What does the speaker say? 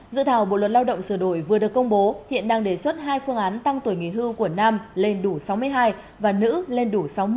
dự thảo bộ luật lao động sửa đổi vừa được công bố hiện đang đề xuất hai phương án tăng tuổi nghỉ hưu của nam lên đủ sáu mươi hai và nữ lên đủ sáu mươi